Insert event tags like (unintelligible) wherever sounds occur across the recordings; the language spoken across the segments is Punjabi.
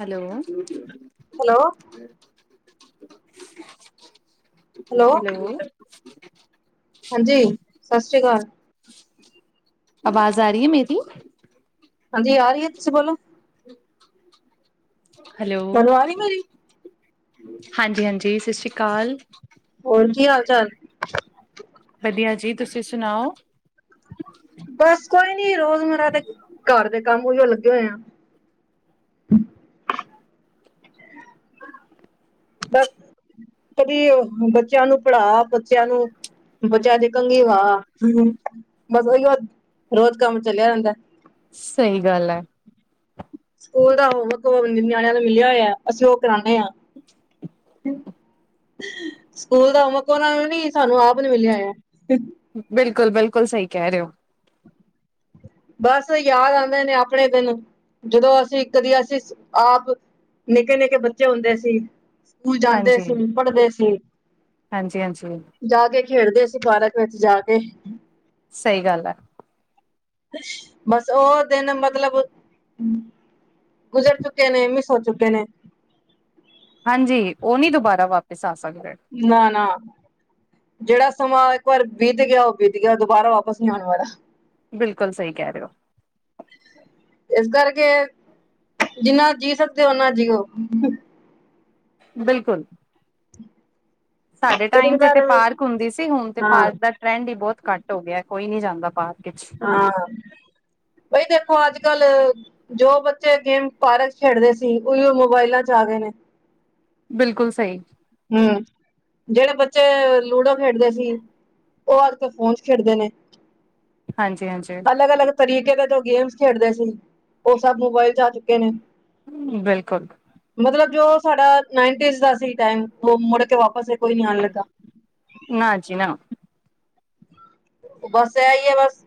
ਹੈਲੋ। ਹੈਲੋ। ਹ ਹੈਲੋੋ, ਹਾਂਜੀ ਸਤਿ ਸ਼੍ਰੀ ਅਕਾਲ। ਆਵਾਜ਼ ਆ ਰਹੀ ਹੈ ਮੇਰੀ। ਹਾਂਜੀ ਆ ਰਹੀ ਹੈ, ਤੁਸੀਂ ਬੋਲੋ। ਹੈਲੋ, ਤੁਹਾਨੂੰ ਆ ਰਹੀ ਮੇਰੀ ਹਾਂਜੀ ਹਾਂਜੀ ਸਤਿ ਸ਼੍ਰੀ ਅਕਾਲ। ਹੋਰ ਕੀ ਹਾਲ ਚਾਲ। ਵਧੀਆ ਜੀ, ਤੁਸੀਂ ਸੁਣਾਓ। ਬਸ ਕੋਈ ਨੀ ਰੋਜ਼ਮਰਰਾ ਦੇ, ਘਰ ਦੇ ਕੰਮ ਉਹੀਓ ਲੱਗੇ ਹੋਏ ਆ। ਬਸ ਕਦੀ ਬੱਚਿਆਂ ਨੂੰ ਪੜਾ, ਬੱਚਿਆਂ ਨੂੰ ਬੱਚਿਆਂ ਦੇ ਕੰਗੀ ਵਾਹ। ਬੱਸ ਓਹੀ ਰੋਜ ਕੰਮ ਚਲਿਆ ਰਹਿੰਦਾ। ਸਹੀ ਗੱਲ ਹੈ। ਸਕੂਲ ਦਾ ਹੋਮਵਰਕ ਨਿਆਣਿਆਂ ਨੂੰ ਮਿਲਿਆ ਹੋਇਆ। ਅਸੀਂ ਉਹ ਕਰਾਉਂਦੇ ਹਾਂ। ਅੱ ਸਕੂਲ ਦਾ ਹੋਮਵਰਕ ਉਹਨਾਂ ਨੂੰ ਨੀ, ਸਾਨੂੰ ਆਪ ਨੂੰ ਮਿਲਿਆ ਹੋਇਆ। ਬਿਲਕੁਲ, ਬਿਲਕੁਲ ਸਹੀ ਕਹਿ ਰਹੇ ਹੋ। ਬਸ ਯਾਦ ਆਉਂਦੇ ਨੇ ਆਪਣੇ ਦਿਨ। ਜਦੋਂ ਅਸੀਂ ਇੱਕ ਦੀ ਅਸੀਂ ਆਪ ਨਿੱਕੇ ਨਿੱਕੇ ਬੱਚੇ ਹੁੰਦੇ ਸੀ, ਸਕੂਲ ਜਾਂਦੇ ਹਾਂਜੀ ਸੀ, ਪੜਦੇ ਸੀ। ਹਾਂਜੀ ਹਾਂਜੀ। ਜਾ ਕੇ ਖੇਡਦੇ ਸੀ, ਪਾਰਕ ਵਿੱਚ ਜਾ ਕੇ। ਸਹੀ ਗੱਲ ਹੈ। ਬਸ, ਉਹ ਦਿਨ ਮਤਲਬ ਗੁਜ਼ਰ ਚੁੱਕੇ ਨੇ, ਮਿਸ ਹੋ ਚੁੱਕੇ ਨੇ। ਹਾਂਜੀ, ਉਹ ਨਹੀਂ ਦੁਬਾਰਾ ਵਾਪਿਸ ਆ ਸਕਦੇ। ਨਾ ਨਾ। ਜਿਹੜਾ ਸਮਾਂ ਇੱਕ ਵਾਰ ਬੀਤ ਗਿਆ, ਉਹ ਬੀਤ ਗਿਆ ਉਹ ਦੁਬਾਰਾ ਵਾਪਸ ਨਹੀਂ ਆਉਣ ਵਾਲਾ। ਬਿਲਕੁਲ ਸਹੀ ਕਹਿ ਰਹੇ ਹੋ। ਇਸ ਕਰਕੇ, ਜਿੰਨਾ ਜੀਅ ਸਕਦੇ ਹੋ ਓਨਾ ਜੀਓ। ਬਿਲਕੁਲ। ਸਾਡੇ ਕਈ ਟਾਈਮ ਤੇ ਵਾਰ ਤੇ ਪਾਰਕ ਹੁੰਦੀ ਸੀ ਹੁਣ ਤੇ ਹਾਂ ਪਾਰਕ ਟਰੇਂਡ ਹੀ ਬਹੁਤ ਘੱਟ ਹੋ ਗਿਆ। ਕੋਈ ਨਹੀਂ ਜਾਂਦਾ ਪਾਰਕ ਚ ਹਾਂ, ਬਈ ਦੇਖੋ ਅੱਜ ਕੱਲ ਜੋ ਬੱਚੇ ਗੇਮ ਪਾਰਕ ਖੇਡਦੇ ਸੀ ਉਹੀ ਮੋਬਾਇਲਾਂ ਚ ਆ ਗਏ ਨੇ ਬਿਲਕੁਲ ਸਹੀ। ਹਮ, ਜਿਹੜੇ ਬੱਚੇ ਲੂਡੋ ਖੇਡਦੇ ਸੀ! ਉਹ ਅਜ ਕਲ ਤੇ ਫੋਨ 'ਚ ਖੇਡਦੇ ਨੇ ਹਾਂਜੀ ਹਾਂਜੀ ਅਲੱਗ ਅਲੱਗ ਤਰੀਕੇ ਦੇ ਜੋ ਗੇਮਸ ਖੇਡਦੇ ਸੀ, ਉਹ ਸਭ ਮੋਬਾਇਲ ਚ ਆ ਚੁੱਕੇ ਨੇ। ਹਮ ਬਿਲਕੁਲ ਮਤਲਬ ਜੋ ਸਾਡਾ ਨਾਈਨਟੀਜ਼ ਦਾ ਸੀ ਟਾਈਮ, ਉਹ ਮੁੜ ਕੇ ਵਾਪਸ ਕੋਈ ਨੀ ਆਉਣ ਲੱਗਾ ਨਾ ਜੀ ਨਾ- ਉਹ ਬੱਸ ਆਈ ਆ, ਬਸ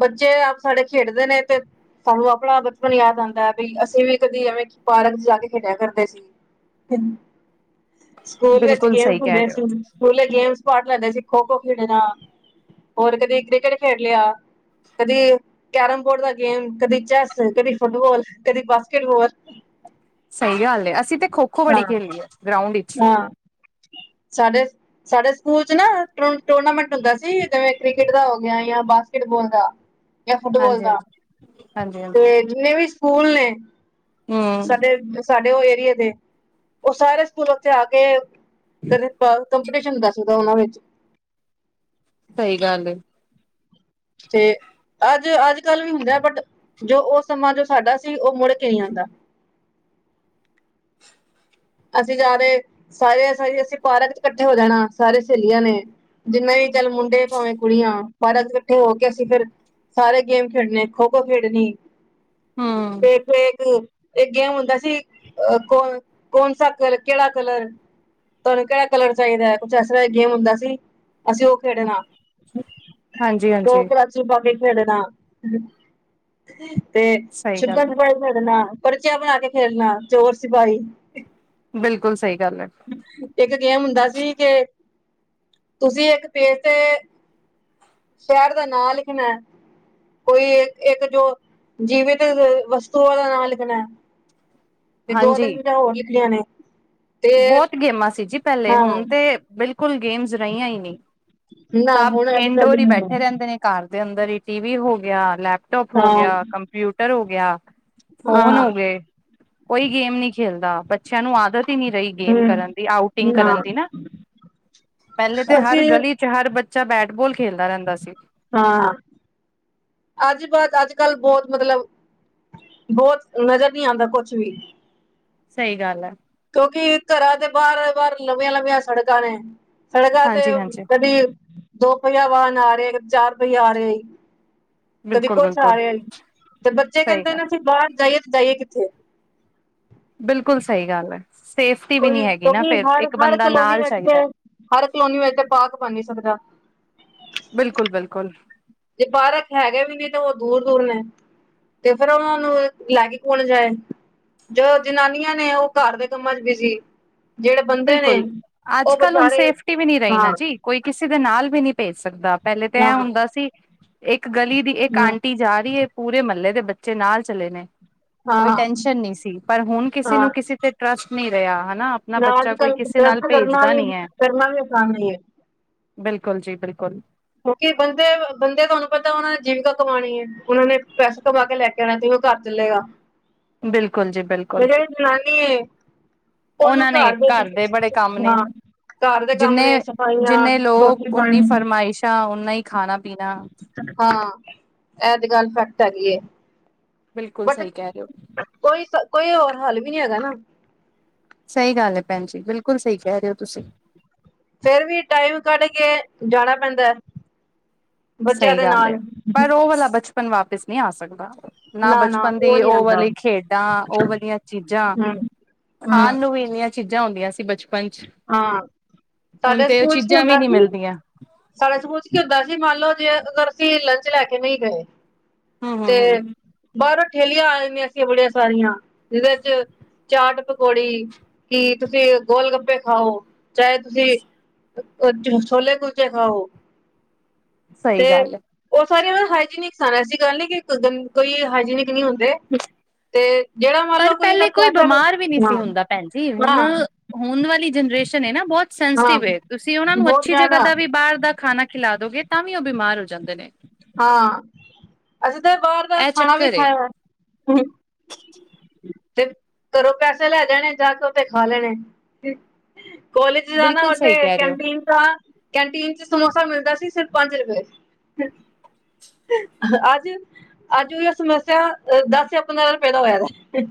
ਬੱਚੇ ਸਾਡੇ ਖੇਡਦੇ ਨੇ ਤੇ, ਸਾਨੂੰ ਆਪਣਾ ਬਚਪਨ ਯਾਦ ਆਉਂਦਾ ਬੀ ਅਸੀਂ ਵੀ ਕਦੀ ਪਾਰਕ ਜਾ ਕੇ ਖੇਡਿਆ ਕਰਦੇ ਸੀ। ਸਕੂਲ ਵਿੱਚ ਬਿਲਕੁਲ ਗੇਮ ਸਹੀ ਕਹਿ ਹੁੰਦੇ ਰਹੇ ਹੋ ਸੀ। ਸਕੂਲੇ ਗੇਮਸ ਪਾਰਟ ਲੈਂਦੇ ਸੀ ਖੋ ਖੋ ਖੇਡਣਾ, ਹੋਰ ਕਦੇ ਕ੍ਰਿਕਟ ਖੇਡ ਲਿਆ। ਕਦੀ ਕੈਰਮ ਬੋਰਡਦਾ ਗੇਮ, ਕਦੀ ਚੈੱਸ, ਕਦੀ ਫੁਟਬੋਲ, ਕਦੀ ਬਾਸਕਿਟਬੋਲ। (unintelligible) ਸਹੀ ਗੱਲ ਏ। ਅਸੀ ਤੇ ਖੋ ਖੋ ਬੜੀ ਖੇਲੀ ਏ ਗਰਾਊਂਡ ਇਚ, ਹਮ। ਸਾਡੇ ਸਾਡੇ ਸਕੂਲ ਚ ਨਾ ਟੂਰਨਾਮੈਂਟ ਹੁੰਦਾ ਸੀ ਜਿਵੇਂ ਕ੍ਰਿਕਟ ਦਾ ਹੋ ਗਿਆ ਕ੍ਰਿਕਟਬਾਲ ਦਾ ਜਾਂ ਫੁੱਟਬਾਲ ਦਾ ਹਾਂਜੀ-ਹਾਂਜੀ, ਹਾਂਜੀ-ਹਾਂਜੀ। ਤੇ ਜਿੰਨੇ ਵੀ ਸਕੂਲ ਨੇ, ਹੂੰ, ਸਾਡੇ ਸਾਡੇ ਉਹ ਏਰੀਏ ਦੇ ਉਹ ਸਾਰੇ ਸਕੂਲ ਉੱਥੇ ਆ ਕੇ, ਕਦੇ ਕੰਪੀਟੀਸ਼ਨ ਹੁੰਦਾ ਸੀ ਉਹਨਾਂ ਵਿੱਚ। ਸਹੀ ਗੱਲ ਹੈ। ਤੇ ਅੱਜ, ਅੱਜ-ਕੱਲ੍ਹ ਵੀ ਹੁੰਦਾ ਬਟ ਜੋ ਉਹ ਸਮਾਂ ਜੋ ਸਾਡਾ ਸੀ, ਉਹ ਮੁੜ ਕੇ ਨਹੀਂ ਆਉਂਦਾ। ਅਸੀਂ ਜਾਦੇ ਸਾਰੇ ਅਸੀਂ ਪਾਰਕ ਚ ਇਕੱਠੇ ਹੋ ਜਾਣਾ ਸਾਰੇ ਸਹੇਲੀਆਂ ਨੇ, ਜਿੰਨੇ ਵੀ ਚੱਲ ਮੁੰਡੇ ਭਾਵੇਂ ਕੁੜੀਆਂ ਪਰ ਇਕੱਠੇ ਹੋ ਕੇ ਅਸੀਂ ਫਿਰ ਸਾਰੇ ਗੇਮ ਖੇਡਣੇ, ਖੋ ਖੋ ਖੇਡਣੀ ਹੂੰ, ਤੇ ਫੇਕ ਇੱਕ ਗੇਮ ਹੁੰਦਾ ਸੀ ਅ ਕੋ ਕੌਣ ਸਾ ਕਲਰ ਕਿਹੜਾ ਕਲਰ। ਤੁਹਾਨੂੰ ਕਿਹੜਾ ਕਲਰ ਚਾਹੀਦਾ ਹੈ ਕੁਛ ਐਸ ਤਰ੍ਹਾ ਐਸ ਤਰ੍ਹਾ ਗੇਮ ਹੁੰਦਾ ਸੀ, ਅਸੀਂ ਉਹ ਖੇਡਣਾ ਹਾਂਜੀ-ਹਾਂਜੀ ਉਹ ਸੁਹਬਾ ਵੀ ਖੇਡਣਾ, ਤੇ ਸਹੀ ਗੱਲ ਚੁਪਣ ਏ, ਛੁਪਾਈ ਖੇਡਣਾ, ਪਰਚਿਆ ਬਣਾ ਕੇ ਖੇਲਨਾ ਚੋਰ ਸਿਪਾਹੀ ਬਿਲਕੁਲ ਸਹੀ ਗੱਲ ਹੈ। ਇੱਕ ਗੇਮ ਹੁੰਦਾ ਸੀ ਕਿ ਤੁਸੀਂ ਇੱਕ ਪੇਜ ਤੇ ਸ਼ਹਿਰ ਦਾ ਨਾਂ ਲਿਖਣਾ ਹੈ, ਕੋਈ ਇੱਕ ਜੋ ਜੀਵਿਤ ਵਸਤੂਆਂ ਦਾ ਨਾਂ ਲਿਖਣਾ ਹੈ। ਤੇ ਦੋ ਤਿੰਨ ਚੀਜਾ ਹੋਰ ਲਿਖਣੀਆਂ ਨੇ, ਤੇ ਬੋਤ ਗੇਮਾਂ ਸੀ ਜੀ ਪਹਿਲੇ, ਹਾਂ ਹੁਣ ਤੇ ਬਿਲਕੁਲ ਗੇਮਸ ਰਹੀਆਂ ਈ ਨਈ। ਨਾ ਸਭ ਹੁਣ ਅੱਜ ਕੱਲ ਇੰਡੋਰ ਹੀ ਨੀ ਹੈ ਬੈਠੇ ਰਹਿੰਦੇ ਨੇ। ਘਰ ਦੇ ਅੰਦਰ ਹੀ ਟੀਵੀ ਹੋ ਗਿਆ, ਲੈਪਟੋਪ ਹੋ ਹਾਂ ਗਿਆ, ਕੰਪਿਊਟਰ ਹੋ ਗਿਆ, ਫੋਨ ਹਾਂ ਹੋਗੇ। ਕੋਈ ਗੇਮ ਨੀ ਖੇਲਦਾ ਬੱਚੇਆਂ ਨੂੰ ਆਦਤ ਈ ਨੀ ਰਹੀ ਗੇਮ ਹਮ ਕਰਨ ਦੀ, ਆਊਟਿੰਗ ਕਰਨ ਦੀ ਨਾ ਪਹਿਲੇ ਤੇ ਹਰ ਅਸੀਂ ਗਲੀ ਹਰ ਬੱਚਾ ਬੈਟਬੋਲ ਖੇਲਦਾ ਰਹਿੰਦਾ ਸੀ। ਹਾਂ, ਅੱਜ ਬਾਤ ਅੱਜ ਕੱਲ ਬਹੁਤ ਮਤਲਬ ਬਹੁਤ ਨਜ਼ਰ ਨਹੀਂ ਆਉਂਦਾ ਕੁਛ ਵੀ। ਸਹੀ ਗੱਲ ਹੈ। ਕਿਉਂਕਿ ਘਰਾਂ ਦੇ ਬਾਹਰ ਬਾਹਰ ਲੰਬੀਆਂ ਲੰਬੀਆਂ ਸੜਕਾਂ ਨੇ, ਸੜਕਾਂ ਤੇ ਹਾਂਜੀ ਹਾਂਜੀ ਕਦੀ ਦੋ ਪਹੀਆ ਵਾਹਨ ਆ ਰਿਹਾ, ਕਦੇ ਚਾਰ ਪਈਆ ਆ ਰਿਹਾ ਸੀ। ਤੇ ਕਦੀ ਬਿਲਕੁਲ ਕੁਛ ਆ ਬਿਲਕੁਲ ਰਿਹਾ ਜੀ ਤੇ ਬੱਚੇ ਸਹੀ ਕਹਿੰਦੇ ਗੱਲ ਨਾ ਅਸੀਂ ਬਾਹਰ ਜਾਈਏ ਤੇ ਜਾਈਏ ਕਿੱਥੇ। ਬਿਲਕੁਲ ਸਈ ਗੱਲ ਐ, ਸੇਫਟੀ ਵੀ ਕੋਈ ਨੀ ਹੈਗੀ ਨਾ ਕਿਉਂਕਿ ਫੇਰ ਇੱਕ ਹਰ-ਹਰ ਬੰਦਾ ਕਲੋਨੀ ਨਾਲ ਵਿੱਚ ਤੇ ਚਾਈਦਾ। ਹਰ ਕਲੋਨੀ ਵਿੱਚ ਪਾਰਕ ਬਣ ਨੀ ਸਕਦਾ। ਬਿਲਕੁਲ -ਬਿਲਕੁਲ। ਜੇ ਪਾਰਕ ਹੈਗੇ ਵੀ ਨੀ ਤੇ ਓ ਦੂਰ-ਦੂਰ ਨੇ ਤੇ ਫੇਰ ਓਨੂੰ ਲੈ ਕੇ ਕੌਣ ਜਾਏ। ਜੋ ਜਨਾਨੀਆਂ ਨੇ ਓ ਘਰ ਦੇ ਕੰਮਾਂ ਚ ਬਿਜੀ ਜੇੜੇ ਬੰਦੇ ਨੇ ਬਿਲਕੁਲ ਅੱਜ ਓ ਕੱਲ੍ਹ ਹੁਣ ਵਿਚਾਰੇ, ਸੇਫਟੀ ਵੀ ਨਹੀਂ ਰਹੀ ਹਾਂ ਨਾ ਜੀ ਕੋਈ ਕਿਸੇ ਦੇ ਨਾਲ ਵੀ ਨਈ ਭੇਜ ਸਕਦਾ ਪੈਲੇ ਤਾਂ ਏ ਹੁੰਦਾ ਸੀ ਇੱਕ ਗਲੀ ਦੀ ਇੱਕ ਹੂੰ ਆਂਟੀ ਜਾ ਰਈ ਏ ਪੂਰੇ ਮਲੇ ਦੇ ਬੱਚੇ ਨਾਲ ਚਲੇ ਨੇ। ਹਾਂ ਕੋਈ ਟੈਸ਼ਨ ਨਈ ਸੀ ਪਰ ਹੁਣ ਕਿਸੇ ਹਾਂ ਨੂੰ ਕਿਸੇ ਤੇ ਟਰਸਟ ਨਈ ਰੇਆ ਹਨਾ। ਆਪਣਾ ਬੱਚਾ ਕੋਈ ਕਿਸੇ ਨਾਲ ਭੇਜਦਾ ਨਹੀਂ ਹੈ (unintelligible) ਬਿਲਕੁਲ ਜੀ ਬਿਲਕੁਲ। ਕਿਉਂਕਿ ਬੰਦੇ ਬੰਦੇ ਤੁਆਨੂੰ ਪਤਾ ਓਨਾਂ ਨੇ ਜੀਵਿਕਾ ਕਮਾਣੀ ਏ ਓਨਾ ਨੇ ਪੈਸੇ ਕਮਾ ਕੇ ਲੈ ਕੇ ਕੈਂਣਾ ਤੁਸੀ ਓ ਕਰ ਚੱਲੇਗਾ, ਬਿਲਕੁਲ ਜੀ ਮੈਂ ਬਿਲਕੁਲ ਜੇੜੀ ਜਨਾਨੀ ਏ ਓਨੂੰ ਉਹਨਾਂ ਨੇ ਘਰ ਦੇ ਬੜੇ ਕੰਮ ਨੇ (unintelligible) ਘਰ ਦੇ ਕੰਮ ਜਿੰਨੇ ਨੇ ਸਫਾਈਆਂ, ਰੋਟੀ, ਪਾਣੀ। ਆਹੋ ਨਈ ਖਾਣਾ ਪੀਣਾ। ਹਾਂ, ਐ ਤੇ ਗੱਲ ਸੱਚ ਹੈਗੀ ਐ। ਬਿਲਕੁਲ ਸਈ ਕੈ ਰਏ ਓ। ਕੋਈ ਤ ਕੋਈ ਹੋਰ ਹੱਲ ਵੀ ਨੀ ਹੈਗਾ ਨਾ। ਸਈ ਗੱਲ ਏ ਭੈਣ ਜੀ ਬਿਲਕੁਲ ਸਈ ਕੈ ਰਏ ਓ ਤੁਸੀਂ। ਫੇਰ ਵੀ ਟਾਈਮ ਕੱਢ ਕੇ ਜਾਣਾ ਪੈਂਦਾ ਐ। ਸਈ ਗੱਲ ਐ ਪਰ ਓ ਵਾਲਾ ਬਚਪਨ ਵਾਪਿਸ ਨਈ ਆ ਸਕਦਾ। ਨਾ ਬਚਪਨ ਉਹ ਦੀ ਨੀ ਓ ਆਉਂਦਾ ਵਾਲੀ ਖੇਡਾਂ ਓ ਵਾਲੀਆਂ ਚੀਜ਼ਾਂ। ਹਮ ਖਾਣ ਹਮ ਨੂੰ ਵੀ ਇੰਨੀਆਂ ਚੀਜ਼ਾਂ ਹੁੰਦੀਆਂ ਸੀ ਬਚਪ ਪਨ ਚ, ਹਾਂ ਹੁਣ ਸਾਡੇ ਤੇ ਏ ਸਕੂਲ ਚ ਚੀਜ਼ਾਂ ਵੀ ਹੁੰਦਾ ਨੀ ਸੀ ਮਿਲਦੀਆਂ। ਸਾਡੇ ਸਕੂਲ ਕੀ ਹੁੰਦਾ ਸੀ ਮੰਨ ਲੋ ਜੇ ਅਗਰ ਅਸੀਂ ਲੰਚ ਲੈ ਕੇ ਨਈ ਗਏ ਹਮ ਹਮ ਤੇ, ਹਮ ਬਾਰੋਂ ਠੇਲੀਆਂ ਆ ਜਾਂਦੀਆ ਸੀ ਬੜੀਆਂ ਸਾਰੀਆਂ ਜਿਹਦੇ ਚ ਚਾਟ ਪਕੌੜੀ, ਕੀ ਤੁਸੀਂ ਗੋਲ ਗੱਪੇ ਖਾਓ, ਚਾਏ ਤੁਸੀਂ ਅ ਛੋਲੇ ਕੁਲਚੇ ਖਾਓ। ਸਹੀ ਤੇ ਗੱਲ ਹੈ ਓ ਸਾਰੀਆਂ ਨ ਹਾਈਜੀਨਿਕ ਸਨ ਐਸੀ ਗੱਲ ਨੀ ਕਿ ਗਂ ਕੋਈ ਹਾਈਜੀਨਿਕ ਨਈ ਹੁੰਦੇ। ਤੇ ਜਿਹੜਾ ਪਰ ਮੰਨਲਓ ਕੋਈ ਪਹਿਲੇ ਅਗਰ ਪਰੌਠਾ ਬਿਮਾਰ ਨਾ-ਨਾ ਹੋਣ ਵਾਲੀ ਜਨਰੇਸ਼ਨ ਏ ਨਾ ਬੌ ਹਾਂ ਸਸਟਿਵ ਏ ਤੁਸੀਂ ਓਨਾਂ ਨੂੰ ਬਹੁਤ ਅੱਛੀ ਜਗ੍ਹਾ ਜ਼ਿਆਦਾ ਦਾ ਵੀ ਬਾਰ ਦਾ ਖਾਣਾ ਖਿਲਾ ਦੋਗੇ ਤਾਂ ਵੀ ਬਿਮਾਰ ਹੋ ਜਾਂਦੇ ਨੇ। ਹਾਂ, ਅਸੀਂ ਤਾਂ ਬਾਰ ਦਾ ਇਹ ਖਾਣਾ ਵੀ ਚੱਕਰ ਏ ਖਾਇਆ ਤੇ ਘਰੋਂ ਪੈਸੇ ਲੈ ਜਾਣੇ ਜਾ ਕੇ ਉਥੇ ਖਾ ਲੈਣੇ। ਕੋਲਜ ਜਾਣਾ ਬਿਲਕੁਲ ਉੱਥੇ ਸਹੀ ਕਹਿ ਰਹੇ ਹੋ ਕੰਟੀਨ ਤਾਂ ਕੈਂਟੀਨ ਚ ਸਮੋਸਾ ਮਿਲਦਾ ਸੀ ਸਿਰਫ ਪੰਜ ਰੁਪਏ ਚ। ਅੱਜ-ਅੱਜ ਓਏ ਸਮੋਸਾ ਏ ਦੱਸ ਜਾਂ ਪੰਦਰਾਂ ਰੁਪਏ ਦਾ ਹੋਇਆ। (inaudible)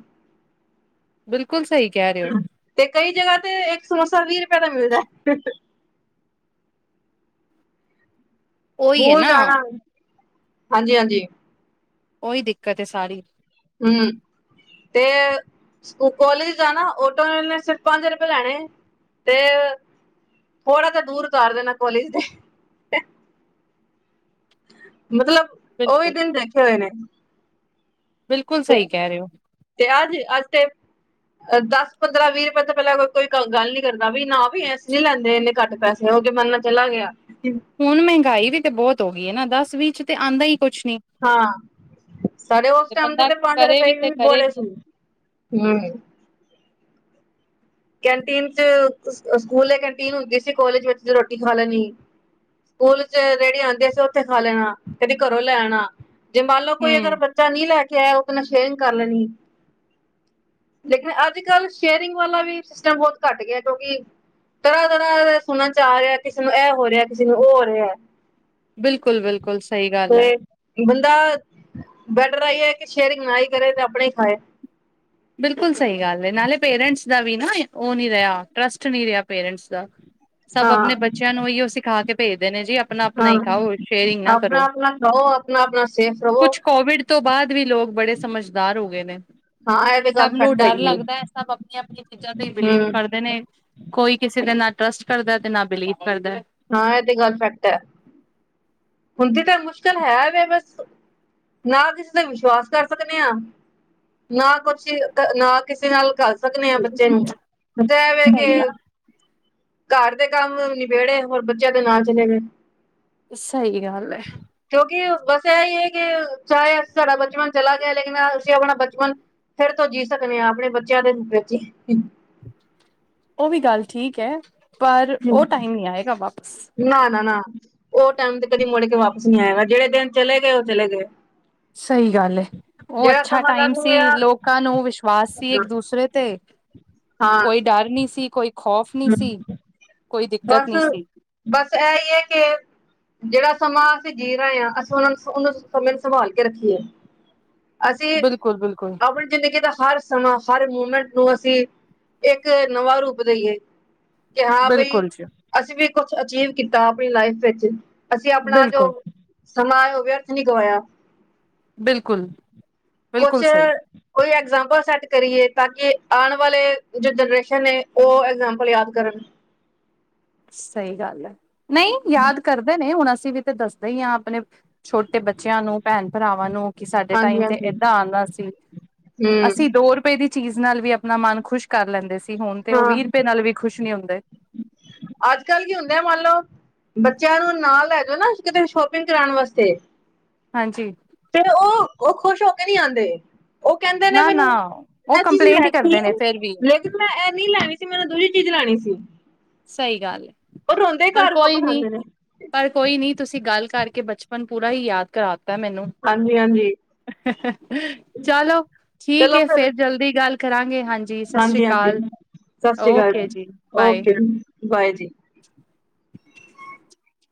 ਬਿਲਕੁਲ ਸਈ ਕੈ ਰਏ ਓ। ਤੇ ਕਈ ਜਗ੍ਹਾ ਤੇ ਇੱਕ ਸਮੋਸਾ ਵੀ ਰੁਪਏ ਦਾ ਮਿਲਦੈ। ਉਹੀ ਹੈ ਬੂਲ ਨਾ ਜਾਣਾ, ਹਾਂਜੀ-ਹਾਂਜੀ। ਓਈ ਦਿੱਕਤ ਏ ਸਾਰੀ। ਹੂੰ। ਤੇ ਕੋਲਜ ਜਾਣਾ ਔਟੋ ਵਾਲੇ ਨੇ ਸਿਰਫ ਪੰਜ ਰੁਪਏ ਲੈਣੇ। ਤੇ ਥੋੜਾ ਜਾ ਦੂਰ ਤਾਰ ਦੇਣਾ ਕਾਲਜ ਦੇ ਮਤਲਬ ਓਵੀ ਬਿਲਕੁਲ ਦਿਨ ਦੇਖੇ ਹੋਏ ਨੇ। ਬਿਲਕੁਲ ਸਈ ਕੈ ਰਏ ਓ। ਤੇ ਅੱਜ ਅੱਜ ਤੇ ਦਸ ਪੰਦਰਾਂ ਵੀਹ ਰੁਪਏ ਤੋਂ ਪਹਿਲਾਂ ਕੋਈ ਗੱਲ ਨੀ ਕਰਦਾ ਵੀ ਨਾ ਵੀ ਅਸੀਂ ਨੀ ਲੈਂਦੇ ਇੰਨੇ ਘੱਟ ਪੈਸੇ ਤੇ ਓ ਜਮਾਨਾ ਚਲਾ ਗਆ। ਹੁਣ ਮਹਿੰਗਾਈ ਵੀ ਤੇ ਬਹੁਤ ਹੋ ਗਈ ਐ ਨਾ ਦੱਸ ਵੀਹ ਚ ਤੇ ਆਂਦਾ ਹੀ ਕੁਛ ਨੀ। ਹਾਂ। ਸਾਡੇ ਓਸ ਟੈਮ ਦੇ ਬੰਦਾ ਤੇ ਪੰਜ ਕਰੇ ਰੁਪੇ ਤੇ ਵੀ ਕਰੇ ਬੋੜੇ ਕੀ ਸੀ ਹੂੰ। ਕੈਂਟੀਨ ਚ ਸਕੂਲੇ ਕੈਂਟੀਨ ਹੁੰਦੀ ਸੀ, ਕਾਲਜ ਵਿੱਚ ਰੋਟੀ ਖਾ ਲੈਣੀ। ਸਕੂਲ ਚ ਰੇਹੜੀ ਆਂਦੇ ਸੀ ਓਥੇ ਖਾ ਲੈਣਾ। ਕਦੀ ਘਰੋਂ ਲੈ ਆਣਾ। ਜੇ ਮੰਨ ਲਓ ਕੋਈ ਹਮ ਅਗਰ ਬੱਚਾ ਨਹੀਂ ਲੈ ਕੇ ਆਇਆ ਉਹਦੇ ਨੇ ਸ਼ੇਅਰਿੰਗ ਕਰ ਲੈਣੀ। ਲੇਕਿਨ ਅੱਜ ਕੱਲ੍ਹ ਸ਼ੇਅਰਿੰਗ ਵਾਲਾ ਵੀ ਸਿਸਟਮ ਬਹੁਤ ਘੱਟ ਗਿਆ ਕਿਉਂਕਿ ਤਰ੍ਹਾਂ ਤਰ੍ਹਾਂ ਤੇ ਸੁਣਨਾ ਚ ਆ ਰਿਹਾ ਕਿਸੇ ਨੂੰ ਐ ਹੋ ਰਿਹਾ ਕਿਸੇ ਨੂੰ ਓ ਹੋ ਰਿਹਾ ਐ। ਬਿਲਕੁਲ ਬਿਲਕੁਲ ਸਹੀ ਗੱਲ ਹੈ। ਤੇ ਬੰਦਾ ਬੈਟਰ ਹੀ ਹੈ ਕਿ ਸ਼ੇਅਰਿੰਗ ਨਾ ਹੀ ਕਰੇ ਤੇ ਆਪਣੇ ਹੀ ਖਾਏ। ਬਿਲਕੁੱਲ ਸਈ ਗੱਲ ਏ ਨਾਲੇ ਪੇਰੈਂਟਸ ਦਾ ਵੀ ਨਾ ਓ ਨੀ ਰਿਆ ਟਰੱਸਟ ਨੀ ਰਿਆ ਪੇਰੈਂਟਸ ਦਾ। (unintelligible) ਸਭ ਆਪਣੇ ਬੱਚਿਆਂ ਨੂੰ ਹੀ ਉਹ ਸਿਖਾ ਕੇ ਭੇਜਦੇ ਨੇ ਜੀ ਆਪਣਾ ਆਪਣਾ ਹਾਂ ਹੀ ਖਾਓ ਸ਼ੇਅਰਿੰਗ ਨਾ ਆਪਣਾ ਕਰੋ। ਆਪਣਾ ਖਾਓ, ਆਪਣਾ ਆਪਣਾ ਸੇਫ ਰਵੋ। ਕੁਛ ਕੋਵਿਡ ਤੋਂ ਬਾਅਦ ਵੀ ਲੋਕ ਬੜੇ ਸਮਝਦਾਰ ਹੋ ਗਏ ਨੇ। ਹਾਂ ਇਹ ਤੇ ਸਭ ਗੱਲ ਨੂੰ ਫੈਕਟ ਡਰ ਹੈਗੀ ਹੈ ਲੱਗਦਾ ਸਭ ਆਪਣੀਆਂ-ਆਪਣੀਆਂ ਚੀਜ਼ਾਂ ਤੇ ਬਿਲੀਵ ਹਮ ਕਰਦੇ ਨੇ। ਕੋਈ ਕਿਸੇ ਦੇ ਨਾ ਟਰੱਸਟ ਕਰਦਾ ਤੇ ਨਾ ਬਿਲੀਵ ਕਰਦਾ। ਹਾਂ ਏ ਤੇ ਗਲ ਫੈਕਟ ਐ। ਹੁੰਦੀ ਤਾਂ ਮੁਸ਼ਕਿਲ ਹੈ ਵੀ ਬਸ ਨਾ ਕਿਸੇ ਤੇ ਵਿਸ਼ਵਾਸ ਕਰ ਸਕਦੇ ਆ। ਨਾ ਕੁੱਛ ਨਾ ਕਿਸੇ ਨਾਲ ਘਲ ਸਕਨੇ ਆ ਬੱਚੇ ਨੂੰ ਏ (unintelligible) ਘਰ ਦੇ ਕੰਮ ਨਿਬੇੜੇ ਹੋਰ ਬੱਚਿਆਂ ਦੇ ਨਾ ਚਲੇ ਗਏ। ਸਈ ਗੱਲ ਐ। ਕਿਉਂਕਿ ਬਸ ਇਹ ਹੀ ਹੈ ਕਿ ਚਾਹੇ ਸਾਡਾ ਬਚਪਨ ਚਲਾ ਗਿਆ ਲੇਕਿਨ ਅਸੀਂ ਆਪਣਾ ਬਚਪਨ ਫੇਰ ਤੋਂ ਜੀ ਸਕਦੇ ਆ ਆਪਣੇ ਬੱਚਿਆਂ ਦੇ ਵਿੱਚ ਹੀ। ਓ ਵੀ ਗੱਲ ਠੀਕ ਐ ਪਰ ਓ ਟਾਈਮ ਨੀ ਆਏਗਾ ਵਾਪਸ। ਨਾ-ਨਾ-ਨਾ ਓ ਟੈਮ ਤੇ ਕਦੇ ਮੁੜ ਕੇ ਵਾਪਿਸ ਨੀ ਆਏਗਾ ਜੇੜੇ ਦਿਨ ਚਲੇ ਗਏ ਓ ਚਲੇ ਗਏ। ਸਹੀ ਗੱਲ ਹੈ। ਓ ਜਿਹੜਾ ਅੱਛਾ ਸਮਾਂ ਟਾਈਮ ਲੰਘ ਸੀ ਗਿਆ ਲੋਕਾਂ ਨੂੰ ਵਿਸ਼ਵਾਸ ਸੀ ਇੱਕ ਦੂਸਰੇ ਤੇ। ਹਾਂ ਕੋਈ ਡਰ ਨਹੀਂ ਸੀ ਕੋਈ ਖੌਫ ਨਹੀਂ ਸੀ। ਕੋਈ ਦਿੱਕਤ ਬਸ ਨਹੀਂ ਸੀ। ਬਸ ਇਹ ਹੀ ਹੈ ਕਿ ਜਿਹੜਾ ਸਮਾਂ ਅਸੀਂ ਜੀ ਰਹੇ ਹਾਂ ਅਸੀਂ ਉਹ ਨੂੰ ਉਹਨੂੰ ਸਮੇਂ ਨੂੰ ਸੰਭਾਲ ਕੇ ਰੱਖੀਏ। ਅਸੀਂ ਬਿਲਕੁਲ, ਬਿਲਕੁਲ, ਆਪਣੀ ਜ਼ਿੰਦਗੀ ਦਾ ਹਰ ਸਮਾਂ ਹਰ ਮੂਮੈਂਟ ਨੂੰ ਅਸੀਂ ਇੱਕ ਨਵਾਂ ਰੂਪ ਦਈਏ। ਕਿ ਹਾਂ ਬਈ ਬਿਲਕੁਲ ਜੀ, ਅਸੀਂ ਵੀ ਕੁੱਛ ਅਚੀਵ ਕੀਤਾ ਆਪਣੀ ਲਾਈਫ ਵਿੱਚ। ਅਸੀਂ ਆਪਣਾ ਜੋ ਬਿਲਕੁਲ, ਸਮਾਂ ਹੈ ਉਹ ਵਿਅਰਥ ਨਹੀਂ ਗਵਾਇਆ। ਬਿਲਕੁਲ ਕੁਛ ਬਿਲਕੁਲ ਸਹੀ। ਕੋਈ ਐਗਜ਼ਮਪਲ ਸੈੱਟ ਕਰੀਏ ਤਾਂ ਕਿ ਆਣ ਵਾਲੇ ਜੋ ਜਨਰੇਸ਼ਨ ਨੇ ਉਹ ਐਗਜ਼ਮਪਲ ਯਾਦ ਕਰਨ। ਸਹੀ ਗੱਲ ਹੈ ਨਹੀਂ ਯਾਦ ਕਰਦੇ ਨੇ ਹੁਣ ਅਸੀਂ ਵੀ ਤੇ ਦੱਸਦੇ ਈ ਆ ਆਪਣੇ ਛੋਟੇ ਬੱਚਿਆਂ ਨੂੰ ਭੈਣ ਭਰਾਵਾਂ ਨੂੰ। ਕੀ ਸਾਡੇ ਟਾਈਮ ਹਾਂਜੀ ਤੇ ਹਾਂਜੀ ਏਦਾਂ ਆਂਦਾ ਸੀ ਹਮ ਅਸੀਂ (unintelligible) ਰੁਪਏ ਦੀ ਚੀਜ਼ ਨਾਲ ਵੀ ਆਪਣਾ ਮਨ ਖੁਸ਼ ਕਰ ਲੈਂਦੇ ਸੀ ਹੁਣ ਤੇ ਉਹ ਹਾਂ ਵੀਹ ਰੁਪਏ ਨਾਲ ਵੀ ਖੁਸ਼ ਨਹੀਂ ਹੁੰਦੇ। ਅੱਜ ਕੱਲ ਕੀ ਹੁੰਦੇ ਆ ਮੰਨ ਲਓ। ਬੱਚਿਆਂ ਨੂੰ ਨਾਲ ਲੇਜੋ ਨਾ ਕਿਤੇ ਸ਼ੋਪਿੰਗ ਕਰਾਣ ਵਾਸਤੇ। ਹਾਂਜੀ। ਤੇ ਉਹ ਉਹ ਖੁਸ਼ ਹੋ ਕੇ ਨਹੀਂ ਆਂਦੇ। ਉਹ ਕਹਿੰਦੇ ਨੇ ਨਾ, ਮੈਨੂੰ, ਨਾ ਉਹ ਇਹ ਚੀਜ਼ ਕੰਪਲੇਂਟ ਲੈ ਹੀ ਤੀ ਕਰਦੇ ਨੇ ਫੇਰ ਵੀ ਏ ਕੀ ਮੈਂ ਐ ਨੀ ਲੈਣੀ ਸੀ। ਮੈਂਨੂੰ ਦੂਜੀ ਚੀਜ਼ ਲੈਣੀ ਸੀ। ਸਈ ਗੱਲ ਐ ਉਹ ਰੋਂਦੇ ਪਰ ਘਰ ਕੋਈ ਵਾਪਸ ਨੀ। ਆਉਂਦੇ ਨੇ ਪਰ ਕੋਈ ਨਹੀਂ ਤੁਸੀਂ ਗੱਲ ਕਰਕੇ ਬਚਪਨ ਪੂਰਾ ਹੀ ਯਾਦ ਕਰਾ ਤਾ ਮੈਨੂੰ। ਹਾਂਜੀ-ਹਾਂਜੀ। ਚਲੋ ਠੀਕ ਏ ਫੇਰ ਜਲਦੀ ਗੱਲ ਕਰਾਂਗੇ ਹਾਂਜੀ। ਸਤਿ ਸ੍ਰੀ ਹਾਂਜੀ-ਹਾਂਜੀ ਅਕਾਲ ਸਸ ਸ੍ਰੀ ਕਾਲ ਓਕੇ ਜੀ ਬਾਏ। ਓਕੇ ਬਾਏ ਜੀ।